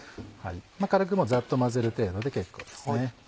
軽くもうざっと混ぜる程度で結構ですね。